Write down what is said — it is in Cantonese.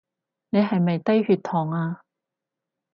你係咪低血糖呀？